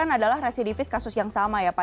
adalah residivis kasus yang sama ya pak